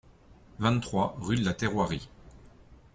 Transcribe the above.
vingt-trois rue de la Terroirie